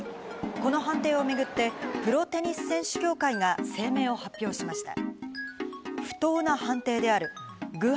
この判定を巡って、プロテニス選手協会が声明を発表しました。